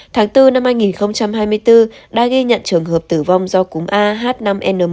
tháng bốn năm hai nghìn hai mươi bốn đã ghi nhận trường hợp tử vong do cúng a h năm n một